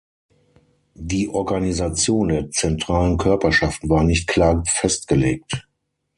Die Organisation der zentralen Körperschaften war nicht klar festgelegt.